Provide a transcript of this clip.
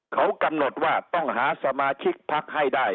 เขากำหนดว่าต้องหาสมาชิกพักให้ได้